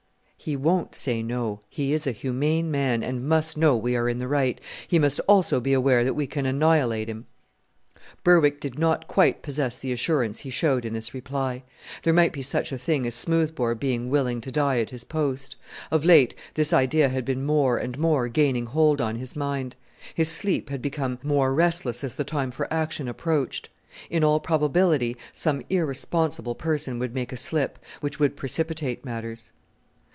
"He won't say no: he is a humane man, and must know we are in the right. He must also be aware that we can annihilate him." Berwick did not quite possess the assurance he showed in this reply. There might be such a thing as Smoothbore being willing to die at his post. Of late this idea had been more and more gaining hold on his mind; his sleep had become more restless as the time for action approached. In all probability some irresponsible person would make a slip, which would precipitate matters.